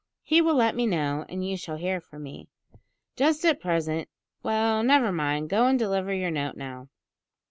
He will let me know, and you shall hear from me. Just at present well, never mind, go and deliver your note now.